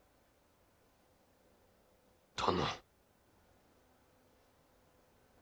殿。